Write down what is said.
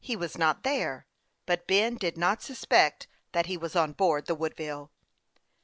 He was not there ; but Ben did not suspect that he was on board the "Woodville.